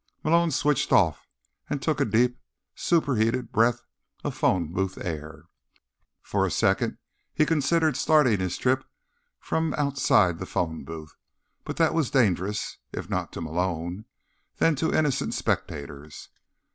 Malone switched off and took a deep, superheated breath of phone booth air. For a second he considered starting his trip from outside the phone booth, but that was dangerous—if not to Malone, then to innocent spectators.